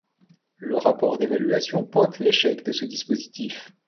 Le rapport d'évaluation pointe l'échec de ce dispositif.